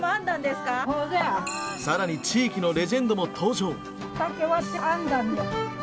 さらに地域のレジェンドも登場。